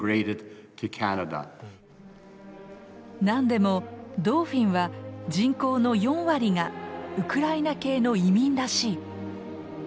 なんでもドーフィンは人口の４割がウクライナ系の移民らしい。